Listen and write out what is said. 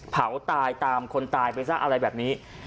เผาตายตามคนตายไปซะอะไรแบบนี้